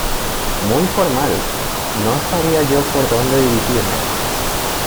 ¡Muy formal! no sabía yo por dónde dirigirme.